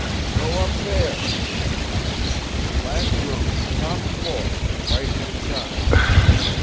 'Go up there,' says I. 'Last room, top floor, right hand side.'